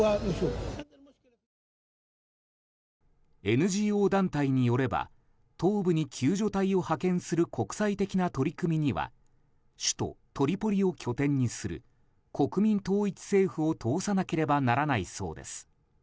ＮＧＯ団体によれば東部に救助隊を派遣する国際的な取り組みには首都トリポリを拠点にする国民統一政府を通さなければならないそうです。